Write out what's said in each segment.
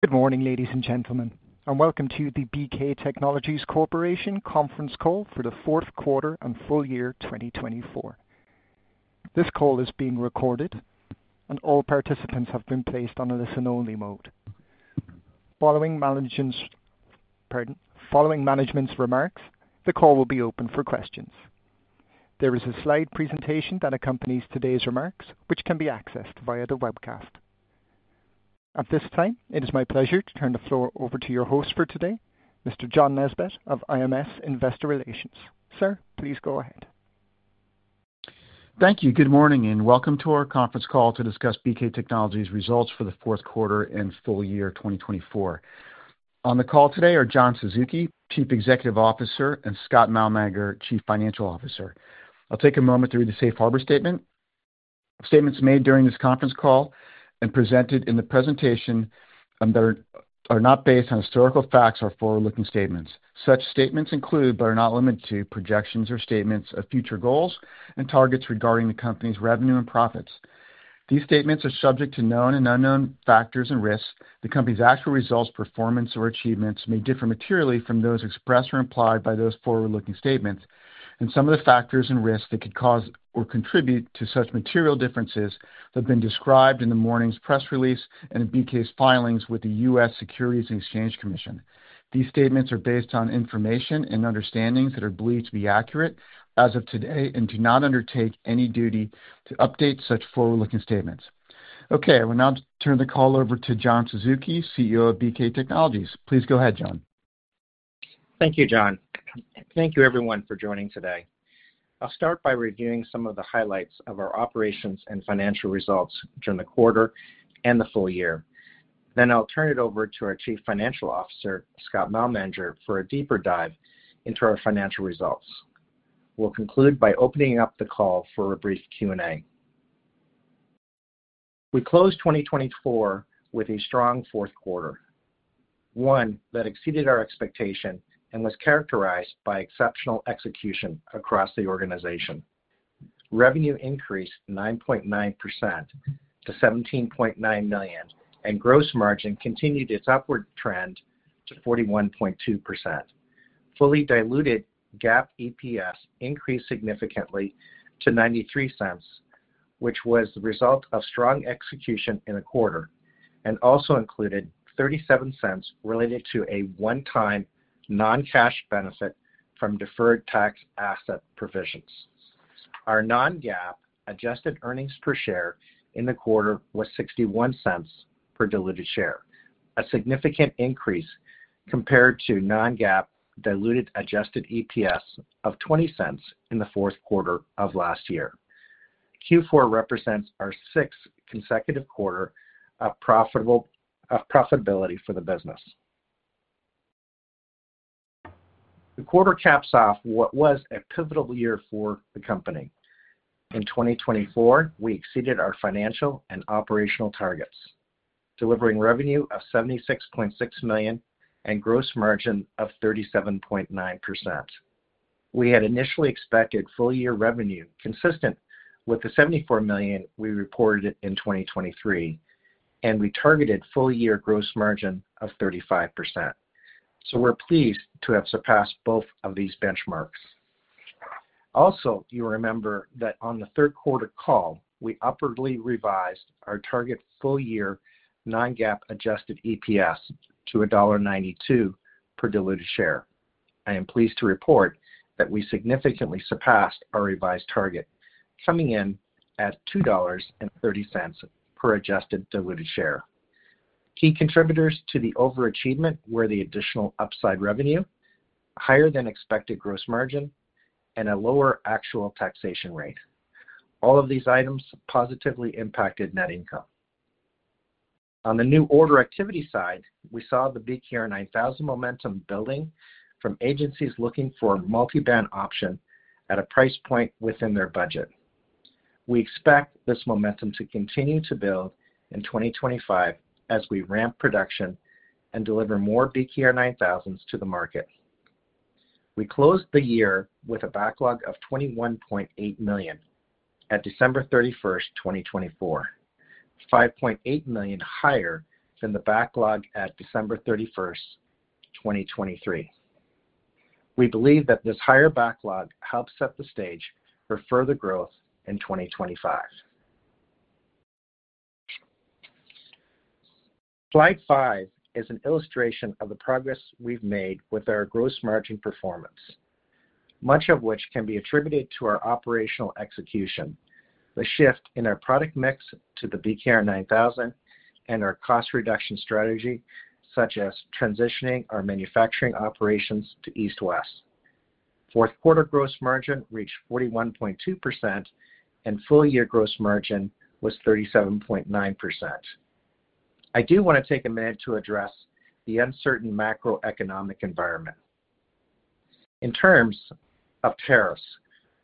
Good morning, ladies and gentlemen, and welcome to the BK Technologies Corporation conference call for the fourth quarter and full year 2024. This call is being recorded, and all participants have been placed on a listen-only mode. Following management's remarks, the call will be open for questions. There is a slide presentation that accompanies today's remarks, which can be accessed via the webcast. At this time, it is my pleasure to turn the floor over to your host for today, Mr. John Nesbett of IMS Investor Relations. Sir, please go ahead. Thank you. Good morning, and welcome to our conference call to discuss BK Technologies' results for the fourth quarter and full year 2024. On the call today are John Suzuki, Chief Executive Officer, and Scott Malmanger, Chief Financial Officer. I'll take a moment to read the Safe Harbor Statement. Statements made during this conference call and presented in the presentation are not based on historical facts or forward-looking statements. Such statements include, but are not limited to, projections or statements of future goals and targets regarding the company's revenue and profits. These statements are subject to known and unknown factors and risks. The company's actual results, performance, or achievements may differ materially from those expressed or implied by those forward-looking statements, and some of the factors and risks that could cause or contribute to such material differences have been described in the morning's press release and in BK's filings with the US Securities and Exchange Commission. These statements are based on information and understandings that are believed to be accurate as of today and do not undertake any duty to update such forward-looking statements. Okay, I will now turn the call over to John Suzuki, CEO of BK Technologies. Please go ahead, John. Thank you, John. Thank you, everyone, for joining today. I'll start by reviewing some of the highlights of our operations and financial results during the quarter and the full year. I will turn it over to our Chief Financial Officer, Scott Malmanger, for a deeper dive into our financial results. We will conclude by opening up the call for a brief Q&A. We closed 2024 with a strong fourth quarter, one that exceeded our expectation and was characterized by exceptional execution across the organization. Revenue increased 9.9% to $17.9 million, and gross margin continued its upward trend to 41.2%. Fully diluted GAAP EPS increased significantly to $0.93, which was the result of strong execution in the quarter, and also included $0.37 related to a one-time non-cash benefit from deferred tax asset provisions. Our non-GAAP adjusted earnings per share in the quarter was $0.61 per diluted share, a significant increase compared to non-GAAP diluted adjusted EPS of $0.20 in the fourth quarter of last year. Q4 represents our sixth consecutive quarter of profitability for the business. The quarter caps off what was a pivotal year for the company. In 2024, we exceeded our financial and operational targets, delivering revenue of $76.6 million and gross margin of 37.9%. We had initially expected full-year revenue consistent with the $74 million we reported in 2023, and we targeted full-year gross margin of 35%. We are pleased to have surpassed both of these benchmarks. Also, you remember that on the third quarter call, we upwardly revised our target full-year non-GAAP adjusted EPS to $1.92 per diluted share. I am pleased to report that we significantly surpassed our revised target, coming in at $2.30 per adjusted diluted share. Key contributors to the overachievement were the additional upside revenue, higher-than-expected gross margin, and a lower actual taxation rate. All of these items positively impacted net income. On the new order activity side, we saw the BKR 9000 momentum building from agencies looking for a multi-band option at a price point within their budget. We expect this momentum to continue to build in 2025 as we ramp production and deliver more BKR 9000s to the market. We closed the year with a backlog of $21.8 million at December 31, 2024, $5.8 million higher than the backlog at December 31, 2023. We believe that this higher backlog helps set the stage for further growth in 2025. Slide five is an illustration of the progress we've made with our gross margin performance, much of which can be attributed to our operational execution, the shift in our product mix to the BKR 9000, and our cost reduction strategy, such as transitioning our manufacturing operations to East West Manufacturing. Fourth quarter gross margin reached 41.2%, and full-year gross margin was 37.9%. I do want to take a minute to address the uncertain macroeconomic environment. In terms of tariffs,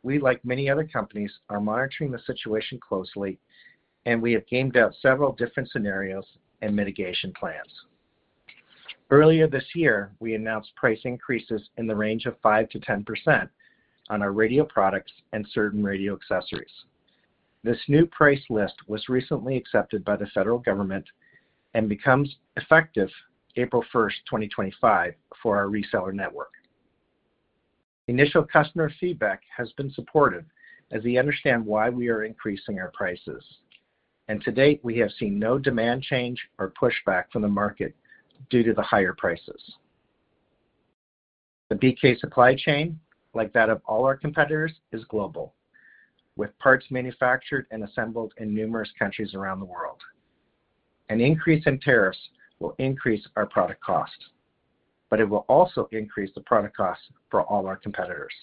we, like many other companies, are monitoring the situation closely, and we have gamed out several different scenarios and mitigation plans. Earlier this year, we announced price increases in the range of 5%-10% on our radio products and certain radio accessories. This new price list was recently accepted by the federal government and becomes effective April 1, 2025, for our reseller network. Initial customer feedback has been supportive as they understand why we are increasing our prices. To date, we have seen no demand change or pushback from the market due to the higher prices. The BK supply chain, like that of all our competitors, is global, with parts manufactured and assembled in numerous countries around the world. An increase in tariffs will increase our product costs, but it will also increase the product costs for all our competitors.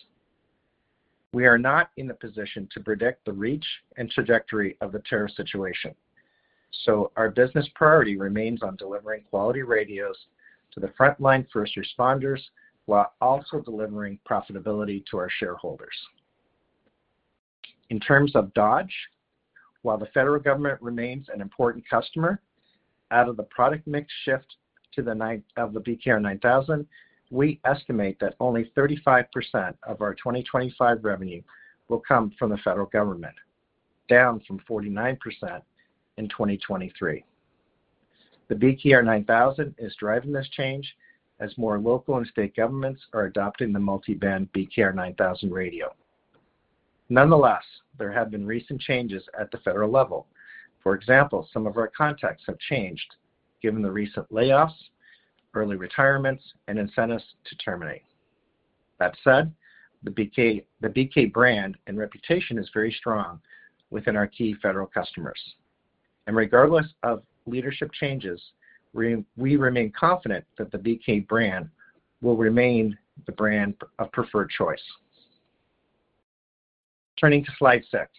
We are not in a position to predict the reach and trajectory of the tariff situation. Our business priority remains on delivering quality radios to the frontline first responders while also delivering profitability to our shareholders. In terms of DOGE, while the federal government remains an important customer, out of the product mix shift to the BKR 9000, we estimate that only 35% of our 2025 revenue will come from the federal government, down from 49% in 2023. The BKR 9000 is driving this change as more local and state governments are adopting the multi-band BKR 9000 radio. Nonetheless, there have been recent changes at the federal level. For example, some of our contacts have changed given the recent layoffs, early retirements, and incentives to terminate. That said, the BK brand and reputation is very strong within our key federal customers. Regardless of leadership changes, we remain confident that the BK brand will remain the brand of preferred choice. Turning to slide six,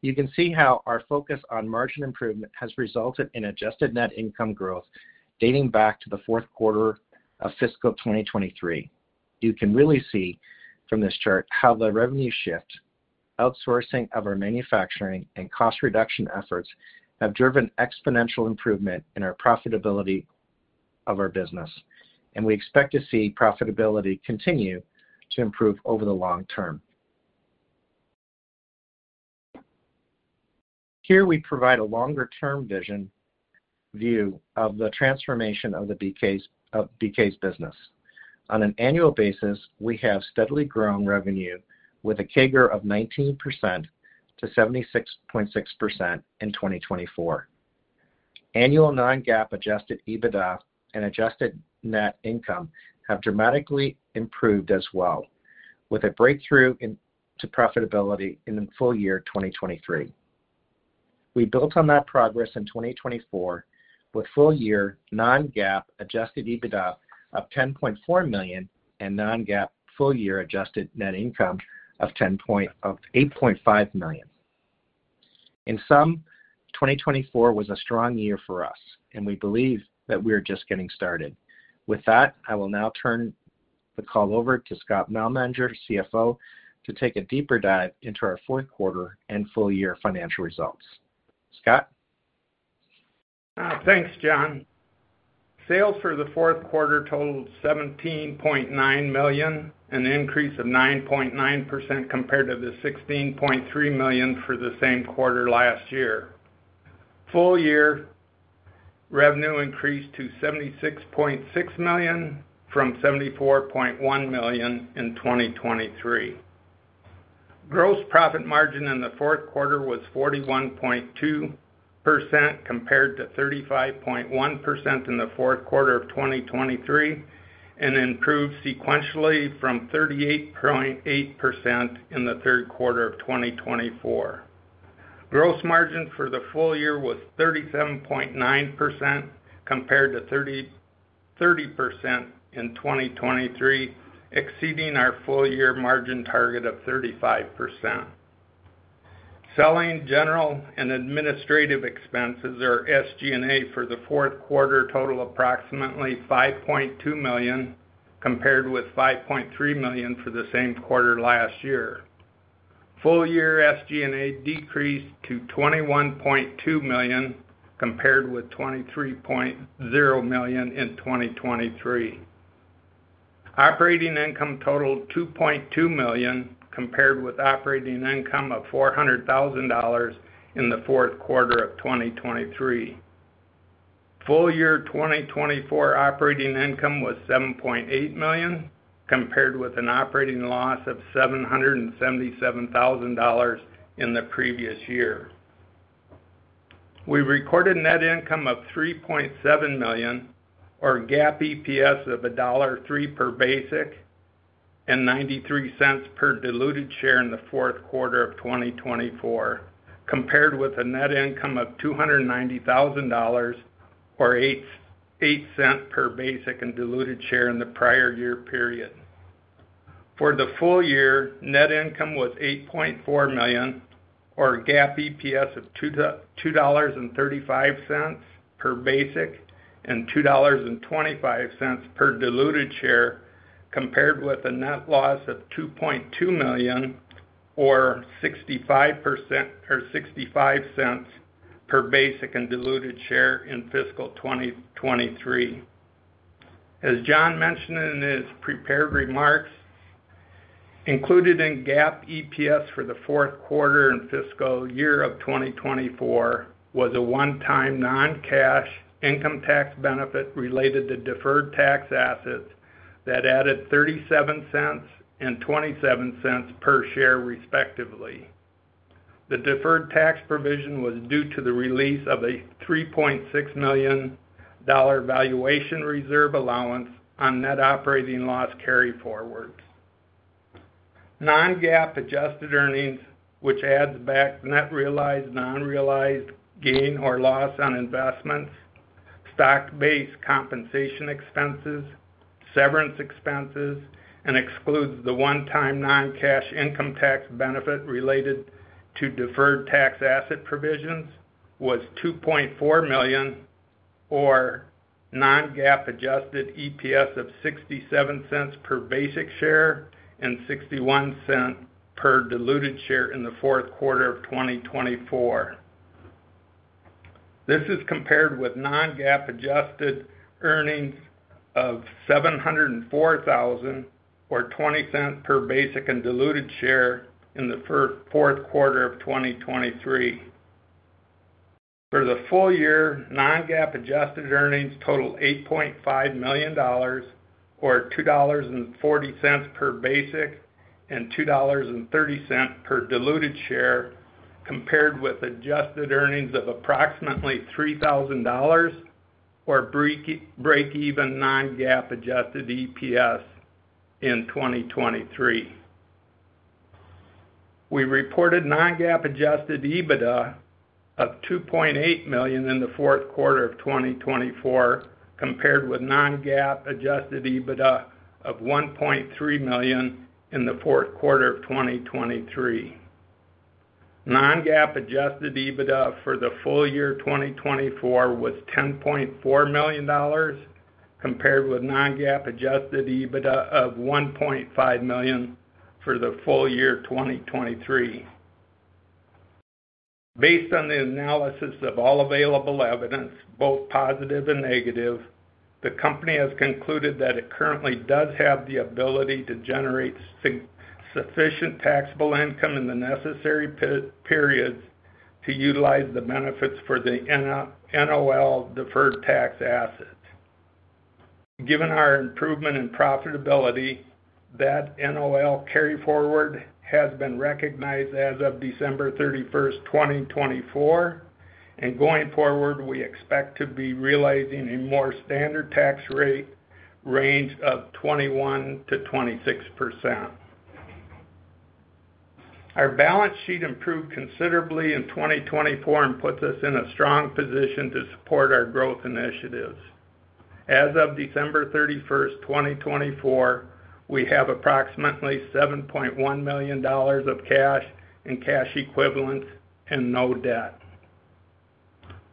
you can see how our focus on margin improvement has resulted in adjusted net income growth dating back to the fourth quarter of fiscal 2023. You can really see from this chart how the revenue shift, outsourcing of our manufacturing, and cost reduction efforts have driven exponential improvement in our profitability of our business. We expect to see profitability continue to improve over the long term. Here, we provide a longer-term vision view of the transformation of BK's business. On an annual basis, we have steadily grown revenue with a CAGR of 19% to 76.6% in 2024. Annual non-GAAP adjusted EBITDA and adjusted net income have dramatically improved as well, with a breakthrough into profitability in full year 2023. We built on that progress in 2024 with full-year non-GAAP adjusted EBITDA of $10.4 million and non-GAAP full-year adjusted net income of $8.5 million. In sum, 2024 was a strong year for us, and we believe that we are just getting started. With that, I will now turn the call over to Scott Malmanger, CFO, to take a deeper dive into our fourth quarter and full-year financial results. Scott? Thanks, John. Sales for the fourth quarter totaled $17.9 million, an increase of 9.9% compared to the $16.3 million for the same quarter last year. Full-year revenue increased to $76.6 million from $74.1 million in 2023. Gross profit margin in the fourth quarter was 41.2% compared to 35.1% in the fourth quarter of 2023, and improved sequentially from 38.8% in the third quarter of 2024. Gross margin for the full year was 37.9% compared to 30% in 2023, exceeding our full-year margin target of 35%. Selling, general and administrative expenses, or SG&A, for the fourth quarter totaled approximately $5.2 million compared with $5.3 million for the same quarter last year. Full-year SG&A decreased to $21.2 million compared with $23.0 million in 2023. Operating income totaled $2.2 million compared with operating income of $400,000 in the fourth quarter of 2023. Full-year 2024 operating income was $7.8 million compared with an operating loss of $777,000 in the previous year. We recorded net income of $3.7 million, or GAAP EPS of $1.03 per basic and $0.93 per diluted share in the fourth quarter of 2024, compared with a net income of $290,000, or $0.08 per basic and diluted share in the prior year period. For the full year, net income was $8.4 million, or GAAP EPS of $2.35 per basic and $2.25 per diluted share, compared with a net loss of $2.2 million, or $0.65 per basic and diluted share in fiscal 2023. As John mentioned in his prepared remarks, included in GAAP EPS for the fourth quarter and fiscal year of 2024 was a one-time non-cash income tax benefit related to deferred tax assets that added $0.37 and $0.27 per share, respectively. The deferred tax provision was due to the release of a $3.6 million valuation reserve allowance on net operating loss carry forwards. Non-GAAP adjusted earnings, which adds back net realized non-realized gain or loss on investments, stock-based compensation expenses, severance expenses, and excludes the one-time non-cash income tax benefit related to deferred tax asset provisions, was $2.4 million, or non-GAAP adjusted EPS of $0.67 per basic share and $0.61 per diluted share in the fourth quarter of 2024. This is compared with non-GAAP adjusted earnings of $704,000, or $0.20 per basic and diluted share in the fourth quarter of 2023. For the full year, non-GAAP adjusted earnings totaled $8.5 million, or $2.40 per basic and $2.30 per diluted share, compared with adjusted earnings of approximately $3,000, or break-even non-GAAP adjusted EPS in 2023. We reported non-GAAP adjusted EBITDA of $2.8 million in the fourth quarter of 2024, compared with non-GAAP adjusted EBITDA of $1.3 million in the fourth quarter of 2023. Non-GAAP adjusted EBITDA for the full year 2024 was $10.4 million, compared with non-GAAP adjusted EBITDA of $1.5 million for the full year 2023. Based on the analysis of all available evidence, both positive and negative, the company has concluded that it currently does have the ability to generate sufficient taxable income in the necessary periods to utilize the benefits for the NOL deferred tax assets. Given our improvement in profitability, that NOL carry forward has been recognized as of December 31, 2024. Going forward, we expect to be realizing a more standard tax rate range of 21%-26%. Our balance sheet improved considerably in 2024 and puts us in a strong position to support our growth initiatives. As of December 31, 2024, we have approximately $7.1 million of cash and cash equivalents and no debt.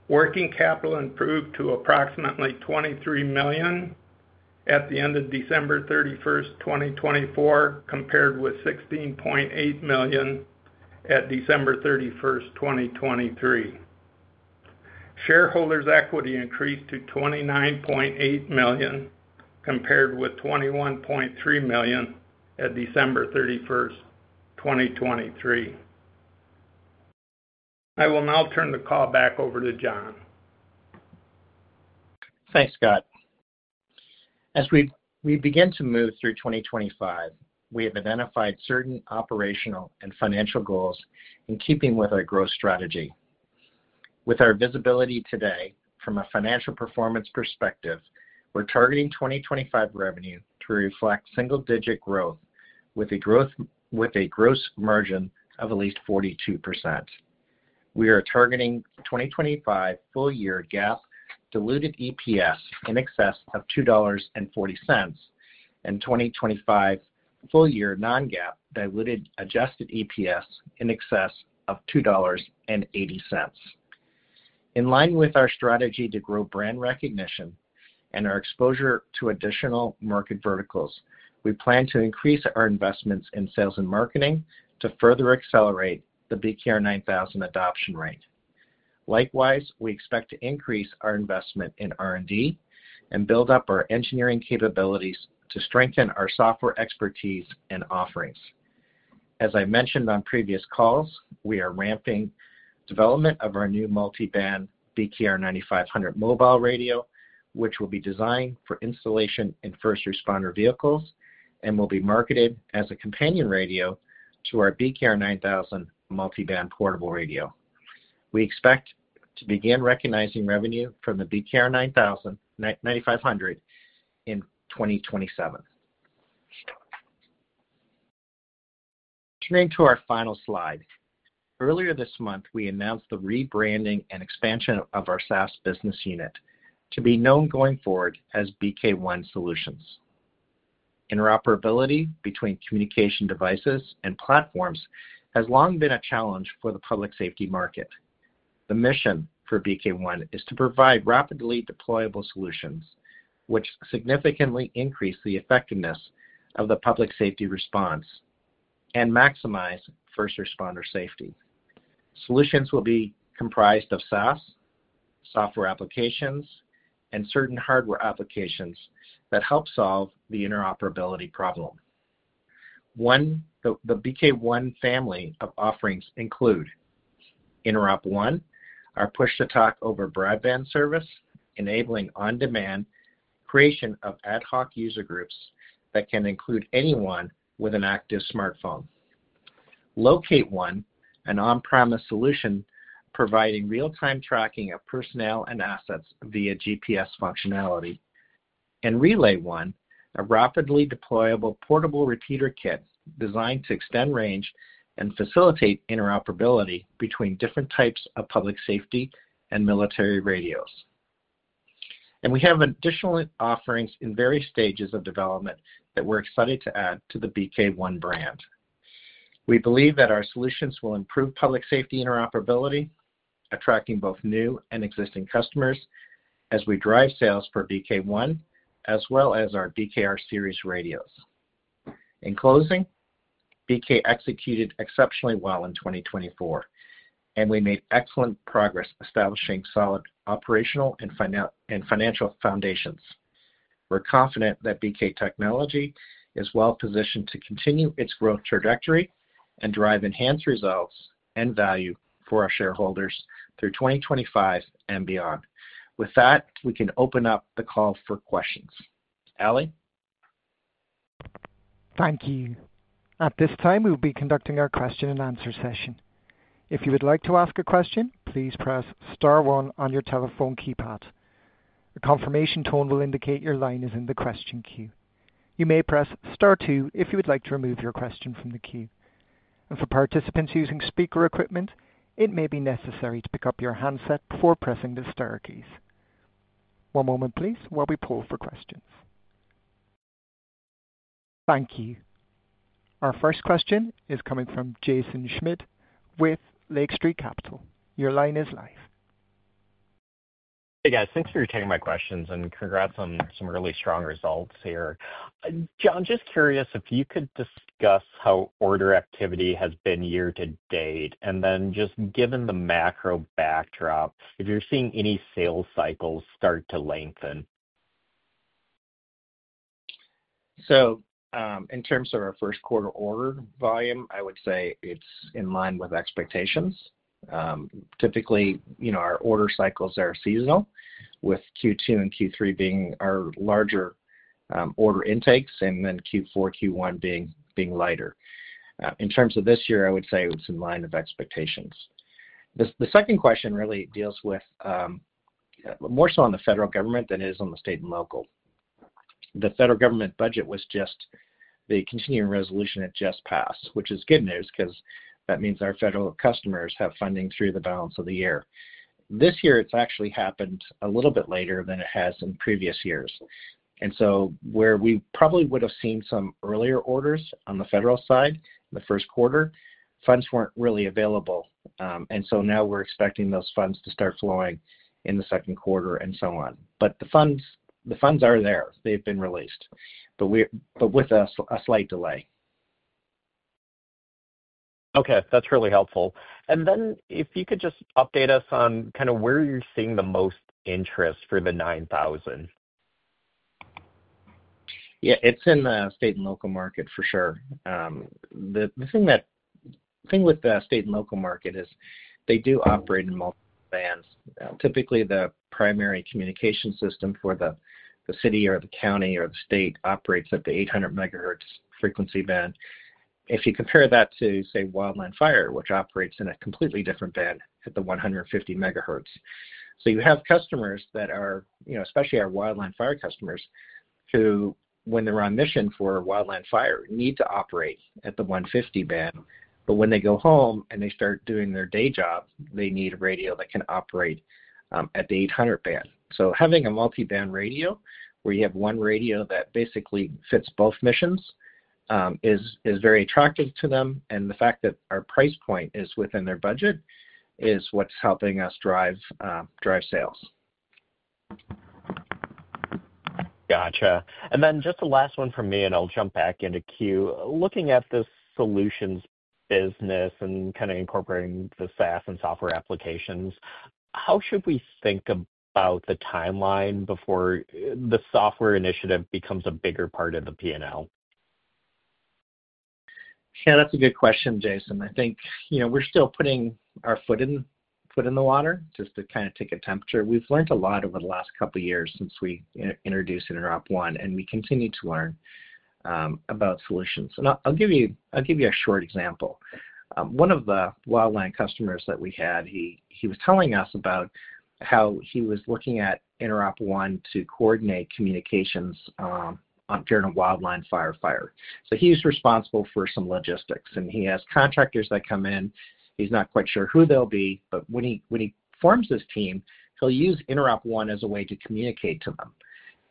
Working capital improved to approximately $23 million at the end of December 31, 2024, compared with $16.8 million at December 31, 2023. Shareholders' equity increased to $29.8 million compared with $21.3 million at December 31, 2023. I will now turn the call back over to John. Thanks, Scott. As we begin to move through 2025, we have identified certain operational and financial goals in keeping with our growth strategy. With our visibility today from a financial performance perspective, we're targeting 2025 revenue to reflect single-digit growth with a gross margin of at least 42%. We are targeting 2025 full-year GAAP diluted EPS in excess of $2.40 and 2025 full-year non-GAAP diluted adjusted EPS in excess of $2.80. In line with our strategy to grow brand recognition and our exposure to additional market verticals, we plan to increase our investments in sales and marketing to further accelerate the BKR 9000 adoption rate. Likewise, we expect to increase our investment in R&D and build up our engineering capabilities to strengthen our software expertise and offerings. As I mentioned on previous calls, we are ramping development of our new multi-band BKR 9500 mobile radio, which will be designed for installation in first responder vehicles and will be marketed as a companion radio to our BKR 9000 multi-band portable radio. We expect to begin recognizing revenue from the BKR 9500 in 2027. Turning to our final slide, earlier this month, we announced the rebranding and expansion of our SaaS business unit to be known going forward as BK One Solutions. Interoperability between communication devices and platforms has long been a challenge for the public safety market. The mission for BK One is to provide rapidly deployable solutions, which significantly increase the effectiveness of the public safety response and maximize first responder safety. Solutions will be comprised of SaaS, software applications, and certain hardware applications that help solve the interoperability problem. The BK One family of offerings include: InteropONE, our push-to-talk over broadband service, enabling on-demand creation of ad hoc user groups that can include anyone with an active smartphone. LocateONE, an on-premise solution providing real-time tracking of personnel and assets via GPS functionality. RelayONE, a rapidly deployable portable repeater kit designed to extend range and facilitate interoperability between different types of public safety and military radios. We have additional offerings in various stages of development that we're excited to add to the BK One brand. We believe that our solutions will improve public safety interoperability, attracting both new and existing customers as we drive sales for BK One, as well as our BKR series radios. In closing, BK executed exceptionally well in 2024, and we made excellent progress establishing solid operational and financial foundations. We're confident that BK Technologies is well positioned to continue its growth trajectory and drive enhanced results and value for our shareholders through 2025 and beyond. With that, we can open up the call for questions. Ali? Thank you. At this time, we will be conducting our question-and-answer session. If you would like to ask a question, please press Star 1 on your telephone keypad. A confirmation tone will indicate your line is in the question queue. You may press Star 2 if you would like to remove your question from the queue. For participants using speaker equipment, it may be necessary to pick up your handset before pressing the star keys. One moment, please, while we pull for questions. Thank you. Our first question is coming from Jaeson Schmidt with Lake Street Capital. Your line is live. Hey, guys. Thanks for taking my questions, and congrats on some really strong results here. John, just curious if you could discuss how order activity has been year to date, and then just given the macro backdrop, if you're seeing any sales cycles start to lengthen. In terms of our first quarter order volume, I would say it's in line with expectations. Typically, our order cycles are seasonal, with Q2 and Q3 being our larger order intakes, and then Q4 and Q1 being lighter. In terms of this year, I would say it's in line with expectations. The second question really deals more so with the federal government than with state and local. The federal government budget was just the continuing resolution that just passed, which is good news because that means our federal customers have funding through the balance of the year. This year, it's actually happened a little bit later than it has in previous years. Where we probably would have seen some earlier orders on the federal side in the first quarter, funds were not really available. We are expecting those funds to start flowing in the second quarter and so on. The funds are there. They have been released, but with a slight delay. Okay. That's really helpful. If you could just update us on kind of where you're seeing the most interest for the 9000. Yeah. It's in the state and local market, for sure. The thing with the state and local market is they do operate in multiple bands. Typically, the primary communication system for the city or the county or the state operates at the 800 megahertz frequency band. If you compare that to, say, wildland fire, which operates in a completely different band at the 150 megahertz. You have customers that are, especially our wildland fire customers, who, when they're on mission for wildland fire, need to operate at the 150 band. When they go home and they start doing their day job, they need a radio that can operate at the 800 band. Having a multi-band radio where you have one radio that basically fits both missions is very attractive to them. The fact that our price point is within their budget is what's helping us drive sales. Gotcha. Just the last one for me, I'll jump back into queue. Looking at the solutions business and kind of incorporating the SaaS and software applications, how should we think about the timeline before the software initiative becomes a bigger part of the P&L? Yeah, that's a good question, Jaeson. I think we're still putting our foot in the water just to kind of take a temperature. We've learned a lot over the last couple of years since we introduced InteropONE, and we continue to learn about solutions. I'll give you a short example. One of the wildland customers that we had, he was telling us about how he was looking at InteropONE to coordinate communications during a wildland fire. He is responsible for some logistics, and he has contractors that come in. He's not quite sure who they'll be, but when he forms his team, he'll use InteropONE as a way to communicate to them.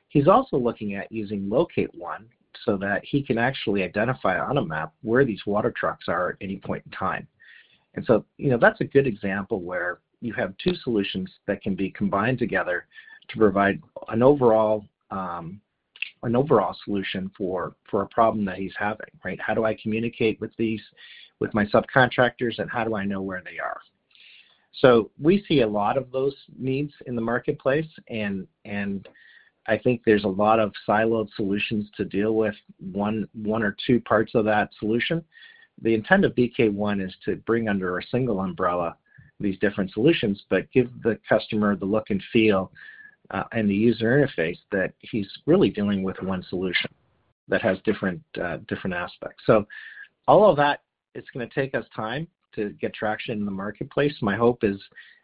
He's also looking at using LocateONE so that he can actually identify on a map where these water trucks are at any point in time. That is a good example where you have two solutions that can be combined together to provide an overall solution for a problem that he is having, right? How do I communicate with my subcontractors, and how do I know where they are? We see a lot of those needs in the marketplace, and I think there are a lot of siloed solutions to deal with one or two parts of that solution. The intent of BK One is to bring under a single umbrella these different solutions, but give the customer the look and feel and the user interface that he is really dealing with one solution that has different aspects. All of that is going to take us time to get traction in the marketplace. My hope is,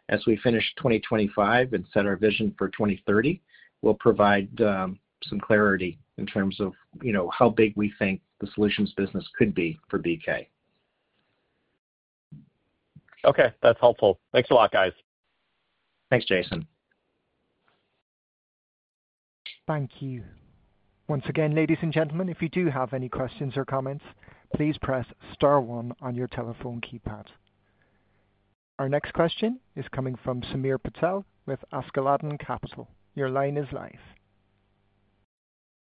as we finish 2025 and set our vision for 2030, we'll provide some clarity in terms of how big we think the solutions business could be for BK. Okay. That's helpful. Thanks a lot, guys. Thanks, Jaeson. Thank you. Once again, ladies and gentlemen, if you do have any questions or comments, please press Star 1 on your telephone keypad. Our next question is coming from Samir Patel with Askeladden Capital. Your line is live.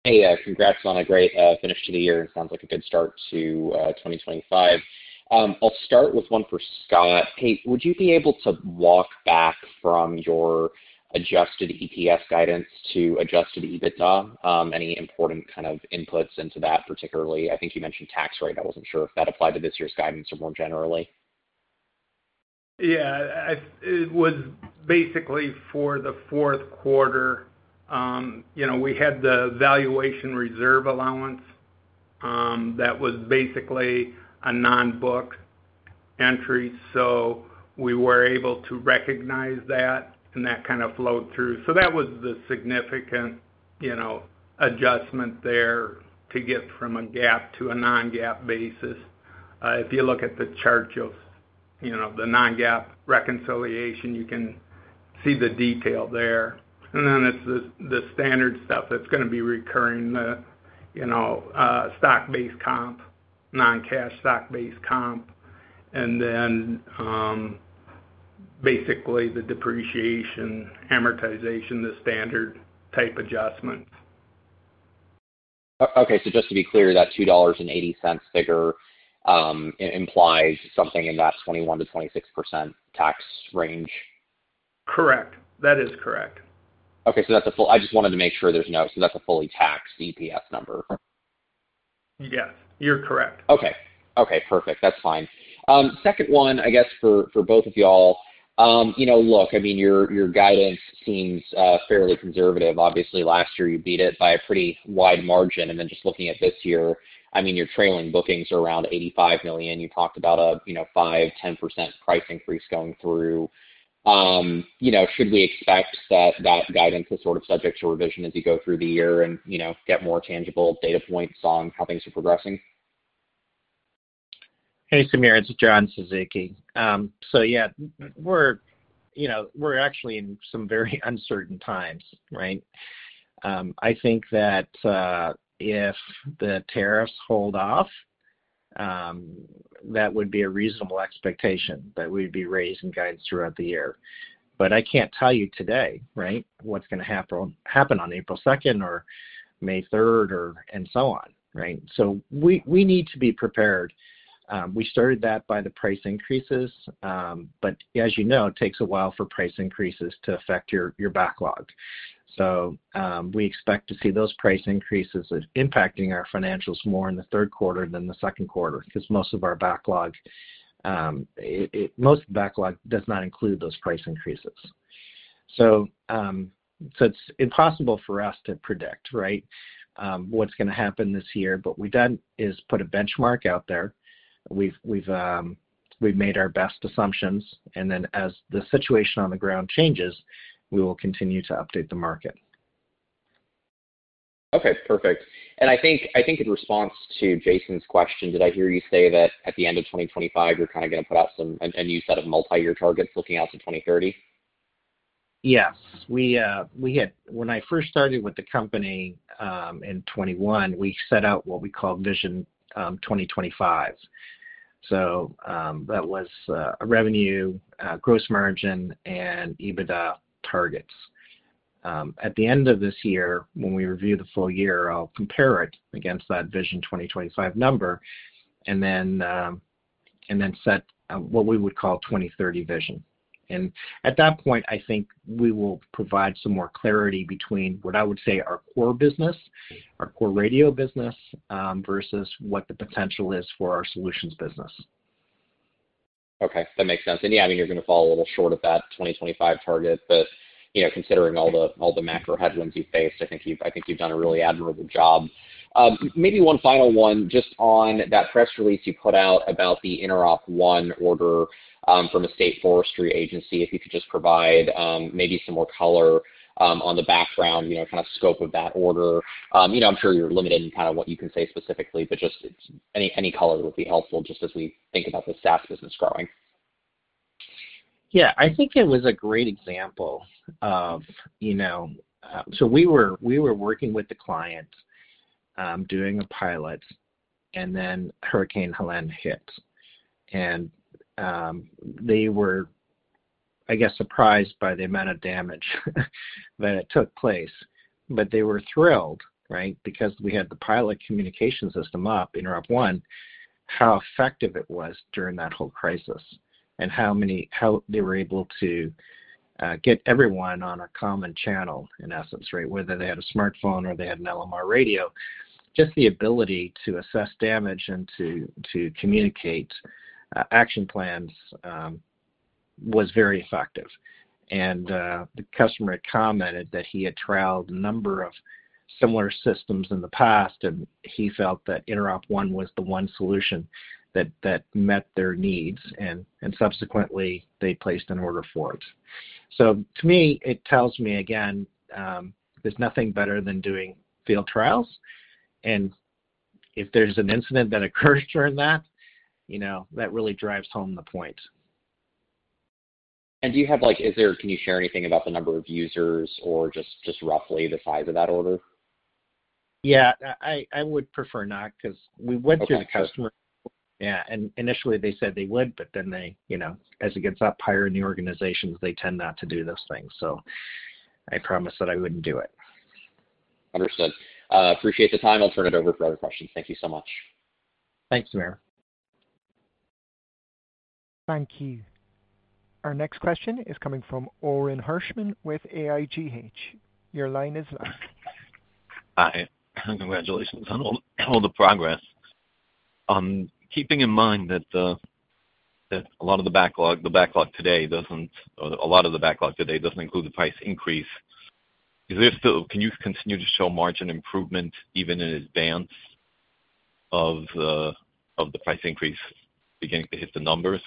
Hey, congrats on a great finish to the year. Sounds like a good start to 2025. I'll start with one for Scott. Hey, would you be able to walk back from your adjusted EPS guidance to adjusted EBITDA? Any important kind of inputs into that, particularly? I think you mentioned tax rate. I wasn't sure if that applied to this year's guidance or more generally. Yeah. It was basically for the fourth quarter. We had the valuation reserve allowance that was basically a non-book entry. We were able to recognize that, and that kind of flowed through. That was the significant adjustment there to get from a GAAP to a non-GAAP basis. If you look at the chart of the non-GAAP reconciliation, you can see the detail there. It is the standard stuff that is going to be recurring: the stock-based comp, non-cash stock-based comp, and then basically the depreciation, amortization, the standard type adjustment. Okay. Just to be clear, that $2.80 figure implies something in that 21-26% tax range? Correct. That is correct. Okay. I just wanted to make sure there's no—so that's a fully taxed EPS number. Yes. You're correct. Okay. Okay. Perfect. That's fine. Second one, I guess for both of y'all, look, I mean, your guidance seems fairly conservative. Obviously, last year, you beat it by a pretty wide margin. And then just looking at this year, I mean, you're trailing bookings around $85 million. You talked about a 5%-10% price increase going through. Should we expect that guidance is sort of subject to revision as you go through the year and get more tangible data points on how things are progressing? Hey, Samir. It's John Suzuki. Yeah, we're actually in some very uncertain times, right? I think that if the tariffs hold off, that would be a reasonable expectation that we'd be raising guidance throughout the year. I can't tell you today, right, what's going to happen on April 2nd or May 3rd and so on, right? We need to be prepared. We started that by the price increases, but as you know, it takes a while for price increases to affect your backlog. We expect to see those price increases impacting our financials more in the third quarter than the second quarter because most of our backlog—most backlog does not include those price increases. It's impossible for us to predict, right, what's going to happen this year. What we've done is put a benchmark out there. We've made our best assumptions. As the situation on the ground changes, we will continue to update the market. Okay. Perfect. I think in response to Jaeson's question, did I hear you say that at the end of 2025, you're kind of going to put out a new set of multi-year targets looking out to 2030? Yes. When I first started with the company in 2021, we set out what we call Vision 2025. That was revenue, gross margin, and EBITDA targets. At the end of this year, when we review the full year, I will compare it against that Vision 2025 number and then set what we would call 2030 vision. At that point, I think we will provide some more clarity between what I would say our core business, our core radio business, versus what the potential is for our solutions business. Okay. That makes sense. Yeah, I mean, you're going to fall a little short of that 2025 target, but considering all the macro headwinds you faced, I think you've done a really admirable job. Maybe one final one just on that press release you put out about the InteropONE order from a state forestry agency. If you could just provide maybe some more color on the background, kind of scope of that order. I'm sure you're limited in kind of what you can say specifically, but just any color would be helpful just as we think about the SaaS business growing. Yeah. I think it was a great example of—so we were working with the client, doing a pilot, and then Hurricane Helene hit. They were, I guess, surprised by the amount of damage that took place, but they were thrilled, right, because we had the pilot communication system up, InteropONE, how effective it was during that whole crisis and how they were able to get everyone on a common channel, in essence, right? Whether they had a smartphone or they had an LMR radio, just the ability to assess damage and to communicate action plans was very effective. The customer had commented that he had trialed a number of similar systems in the past, and he felt that InteropONE was the one solution that met their needs. Subsequently, they placed an order for it. To me, it tells me again, there's nothing better than doing field trials. If there's an incident that occurs during that, that really drives home the point. Do you have—can you share anything about the number of users or just roughly the size of that order? Yeah. I would prefer not because we went to a customer. Yeah. Initially, they said they would, but then as it gets up higher in the organizations, they tend not to do those things. I promised that I wouldn't do it. Understood. Appreciate the time. I'll turn it over for other questions. Thank you so much. Thanks, Samir. Thank you. Our next question is coming from Orin Hirschman with AIGH. Your line is live. Hi. Congratulations on all the progress. Keeping in mind that a lot of the backlog today does not—or a lot of the backlog today does not include the price increase, can you continue to show margin improvement even in advance of the price increase beginning to hit the numbers?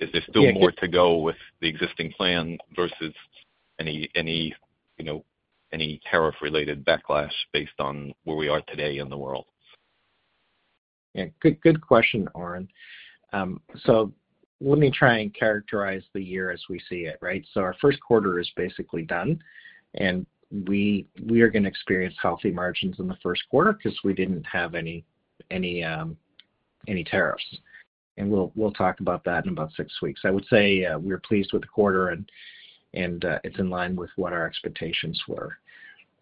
Is there still more to go with the existing plan versus any tariff-related backlash based on where we are today in the world? Yeah. Good question, Orin. Let me try and characterize the year as we see it, right? Our first quarter is basically done, and we are going to experience healthy margins in the first quarter because we did not have any tariffs. We will talk about that in about six weeks. I would say we are pleased with the quarter, and it is in line with what our expectations were.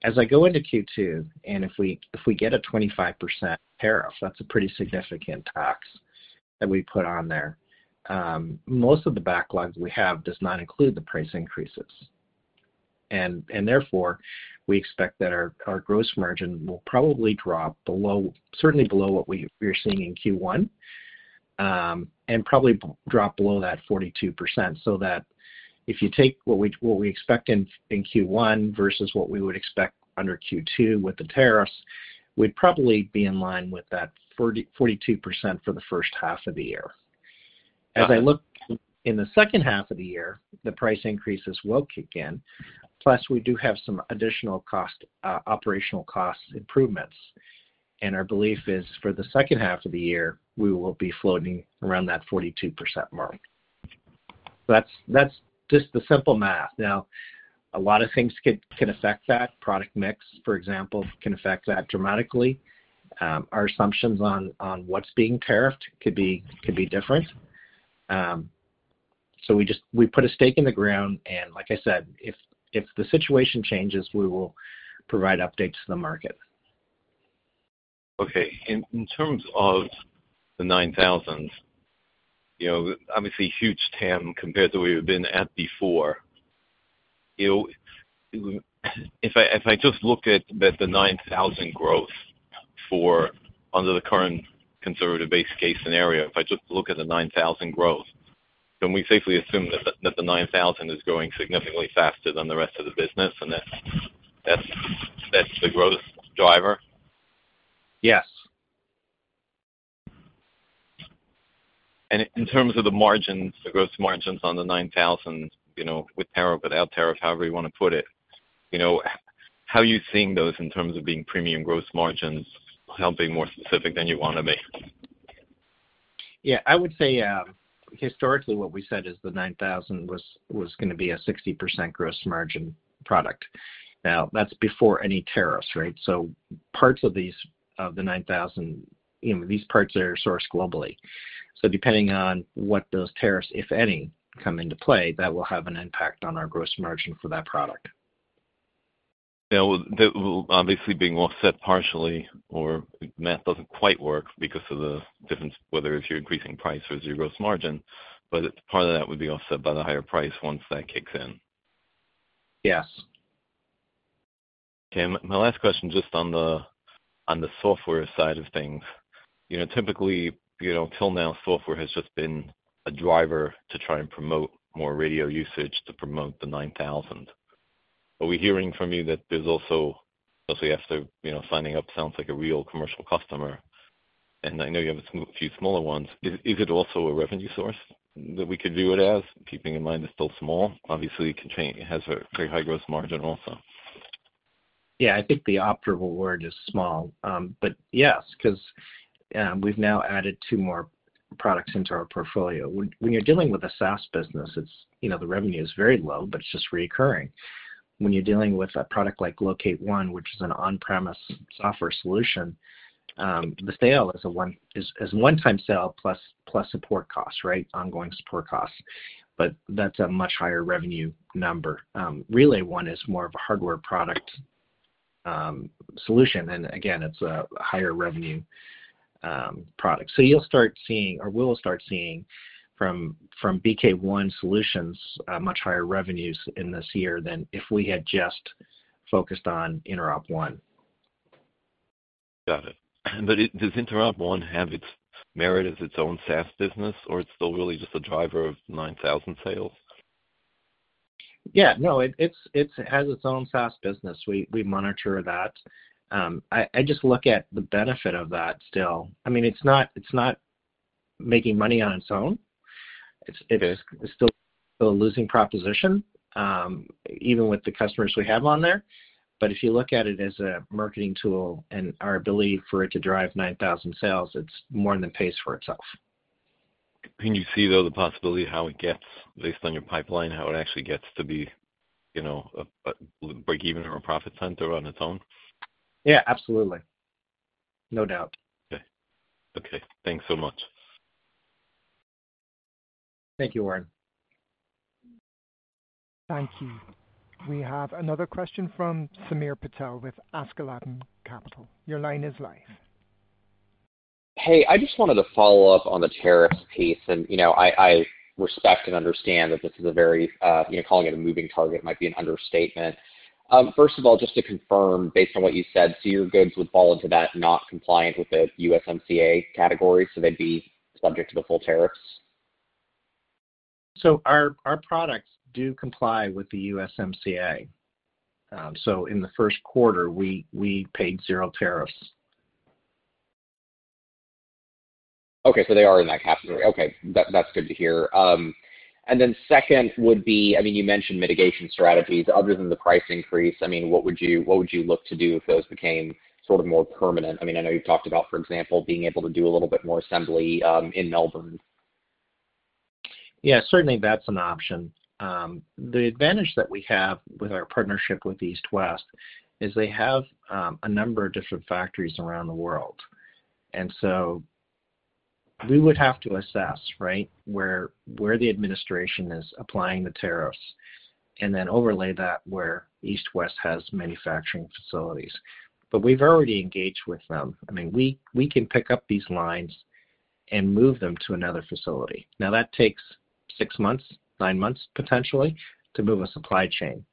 As I go into Q2, if we get a 25% tariff, that is a pretty significant tax that we put on there. Most of the backlog we have does not include the price increases. Therefore, we expect that our gross margin will probably drop below, certainly below what we are seeing in Q1, and probably drop below that 42%. If you take what we expect in Q1 versus what we would expect under Q2 with the tariffs, we'd probably be in line with that 42% for the first half of the year. As I look in the second half of the year, the price increases will kick in, plus we do have some additional operational cost improvements. Our belief is for the second half of the year, we will be floating around that 42% mark. That's just the simple math. Now, a lot of things can affect that. Product mix, for example, can affect that dramatically. Our assumptions on what's being tariffed could be different. We put a stake in the ground. Like I said, if the situation changes, we will provide updates to the market. Okay. In terms of the 9,000, obviously, huge 10 compared to where we've been at before. If I just look at the 9,000 growth under the current conservative base case scenario, if I just look at the 9,000 growth, can we safely assume that the 9,000 is growing significantly faster than the rest of the business, and that's the growth driver? Yes. In terms of the margins, the gross margins on the 9000 with tariff or without tariff, however you want to put it, how are you seeing those in terms of being premium gross margins, something more specific than you want to be? Yeah. I would say historically, what we said is the 9000 was going to be a 60% gross margin product. Now, that's before any tariffs, right? Parts of the 9000, these parts are sourced globally. Depending on what those tariffs, if any, come into play, that will have an impact on our gross margin for that product. Now, obviously, being offset partially or math doesn't quite work because of the difference, whether it's your increasing price or it's your gross margin, but part of that would be offset by the higher price once that kicks in. Yes. Okay. My last question just on the software side of things. Typically, till now, software has just been a driver to try and promote more radio usage to promote the 9000. Are we hearing from you that there's also, especially after signing up, sounds like a real commercial customer, and I know you have a few smaller ones. Is it also a revenue source that we could view it as, keeping in mind it's still small? Obviously, it has a very high gross margin also. Yeah. I think the operable word is small. Yes, because we've now added two more products into our portfolio. When you're dealing with a SaaS business, the revenue is very low, but it's just reoccurring. When you're dealing with a product like LocateONE, which is an on-premise software solution, the sale is a one-time sale plus support costs, right? Ongoing support costs. That's a much higher revenue number. RelayONE is more of a hardware product solution. Again, it's a higher revenue product. You'll start seeing, or we'll start seeing from BK One Solutions much higher revenues in this year than if we had just focused on InteropONE. Got it. Does InteropONE have its merit as its own SaaS business, or it's still really just a driver of 9000 sales? Yeah. No, it has its own SaaS business. We monitor that. I just look at the benefit of that still. I mean, it's not making money on its own. It is still a losing proposition, even with the customers we have on there. If you look at it as a marketing tool and our ability for it to drive 9,000 sales, it more than pays for itself. Can you see, though, the possibility of how it gets based on your pipeline, how it actually gets to be a break-even or a profit center on its own? Yeah. Absolutely. No doubt. Okay. Okay. Thanks so much. Thank you, Orin. Thank you. We have another question from Samir Patel with Askeladden Capital. Your line is live. Hey, I just wanted to follow up on the tariffs piece. I respect and understand that this is a very—calling it a moving target might be an understatement. First of all, just to confirm, based on what you said, your goods would fall into that not compliant with the USMCA category, so they'd be subject to the full tariffs? Our products do comply with the USMCA. In the first quarter, we paid zero tariffs. Okay. They are in that category. That's good to hear. Then second would be, I mean, you mentioned mitigation strategies. Other than the price increase, I mean, what would you look to do if those became sort of more permanent? I mean, I know you've talked about, for example, being able to do a little bit more assembly in Melbourne. Yeah. Certainly, that's an option. The advantage that we have with our partnership with East West is they have a number of different factories around the world. We would have to assess, right, where the administration is applying the tariffs and then overlay that where East West has manufacturing facilities. We've already engaged with them. I mean, we can pick up these lines and move them to another facility. That takes six months, nine months potentially to move a supply chain.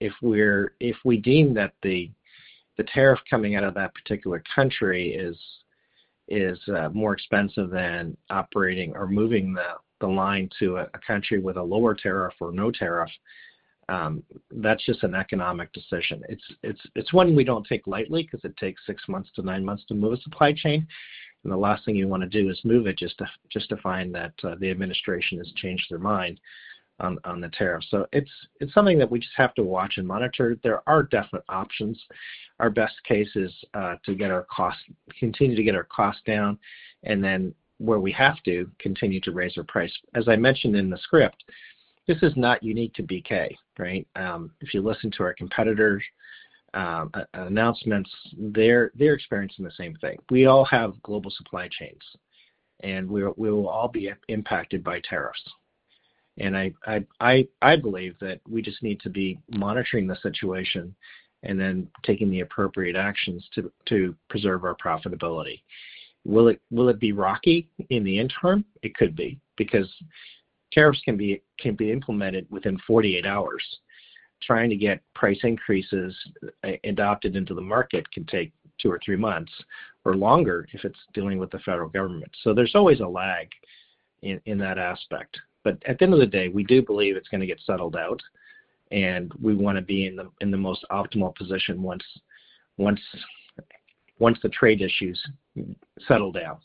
If we deem that the tariff coming out of that particular country is more expensive than operating or moving the line to a country with a lower tariff or no tariff, that's just an economic decision. It's one we don't take lightly because it takes six months to nine months to move a supply chain. The last thing you want to do is move it just to find that the administration has changed their mind on the tariff. It is something that we just have to watch and monitor. There are definite options. Our best case is to continue to get our costs down and then where we have to continue to raise our price. As I mentioned in the script, this is not unique to BK, right? If you listen to our competitor announcements, they are experiencing the same thing. We all have global supply chains, and we will all be impacted by tariffs. I believe that we just need to be monitoring the situation and then taking the appropriate actions to preserve our profitability. Will it be rocky in the interim? It could be because tariffs can be implemented within 48 hours. Trying to get price increases adopted into the market can take two or three months or longer if it's dealing with the federal government. There is always a lag in that aspect. At the end of the day, we do believe it's going to get settled out, and we want to be in the most optimal position once the trade issues settle down.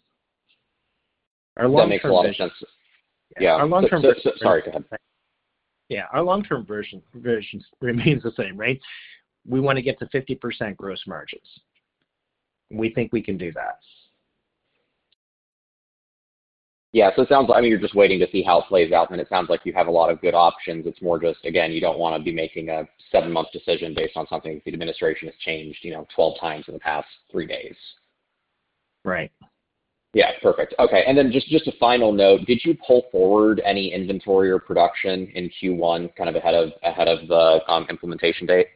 That makes a lot of sense. Yeah. Our long-term version. Sorry. Go ahead. Yeah. Our long-term version remains the same, right? We want to get to 50% gross margins. We think we can do that. Yeah. It sounds like, I mean, you're just waiting to see how it plays out, and it sounds like you have a lot of good options. It's more just, again, you don't want to be making a seven-month decision based on something the administration has changed 12 times in the past three days. Right. Yeah. Perfect. Okay. And then just a final note, did you pull forward any inventory or production in Q1 kind of ahead of the implementation date?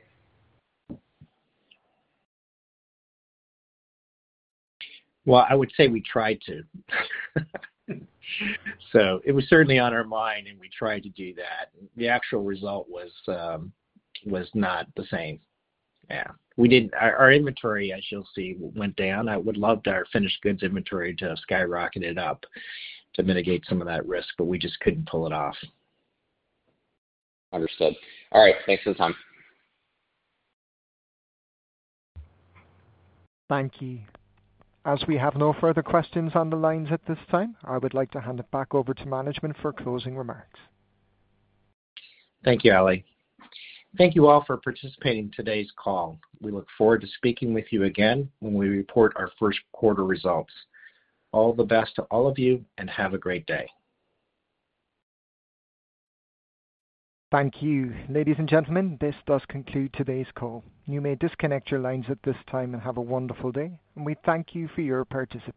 I would say we tried to. It was certainly on our mind, and we tried to do that. The actual result was not the same. Yeah. Our inventory, as you'll see, went down. I would love our finished goods inventory to skyrocket up to mitigate some of that risk, but we just couldn't pull it off. Understood. All right. Thanks for the time. Thank you. As we have no further questions on the lines at this time, I would like to hand it back over to management for closing remarks. Thank you, Ali. Thank you all for participating in today's call. We look forward to speaking with you again when we report our first quarter results. All the best to all of you, and have a great day. Thank you. Ladies and gentlemen, this does conclude today's call. You may disconnect your lines at this time and have a wonderful day. We thank you for your participation.